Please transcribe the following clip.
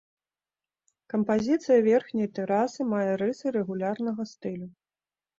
Кампазіцыя верхняй тэрасы мае рысы рэгулярнага стылю.